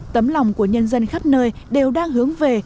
tấm lòng của nhân dân khắp nơi đều đang hướng về